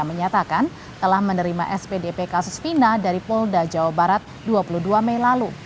menyatakan telah menerima spdp kasus fina dari polda jawa barat dua puluh dua mei lalu